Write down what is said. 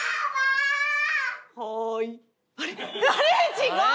違う！